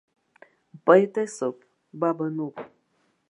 Бпоетесоуп, ба бануп.